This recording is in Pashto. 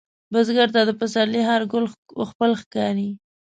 بزګر ته د پسرلي هر ګل خپل ښکاري